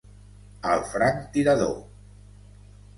Al franctirador!